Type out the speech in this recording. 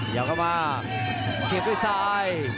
เดี๋ยวเข้ามาเสียบด้วยซ้าย